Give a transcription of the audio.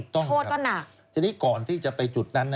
โทษก็หนักถูกต้องครับทีนี้ก่อนที่จะไปจุดนั้น